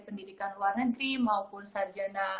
pendidikan luar negeri maupun sarjana